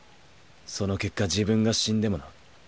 その結果自分が死んでもな。